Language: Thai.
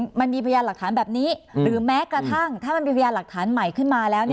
มันมีพยานหลักฐานแบบนี้หรือแม้กระทั่งถ้ามันมีพยานหลักฐานใหม่ขึ้นมาแล้ว